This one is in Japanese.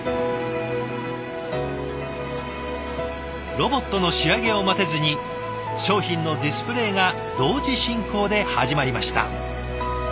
ロボットの仕上げを待てずに商品のディスプレーが同時進行で始まりました。